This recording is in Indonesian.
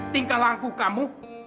tingkah langku kamu